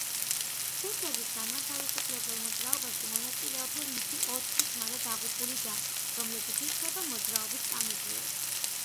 ქურთების განმათავისუფლებელ მოძრაობაში მონაწილეობდნენ მისი ოთხი ძმა და დაღუპული და, რომლებიც ითვლება მოძრაობის წამებულად.